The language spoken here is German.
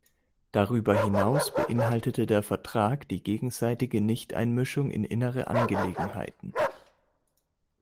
Darüber hinaus beinhaltete der Vertrag die gegenseitige Nichteinmischung in innere Angelegenheiten.